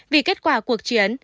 vì kết quả cuộc chiến